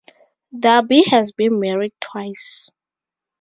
Darby has been married twice.